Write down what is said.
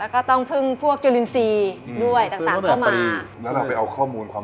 แล้วก็ต้องพึ่งพวกจุลินทรีย์ด้วยต่างเข้ามา